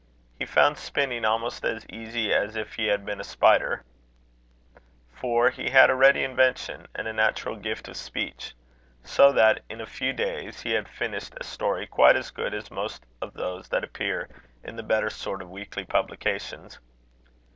He found spinning almost as easy as if he had been a spider, for he had a ready invention, and a natural gift of speech; so that, in a few days, he had finished a story, quite as good as most of those that appear in the better sort of weekly publications.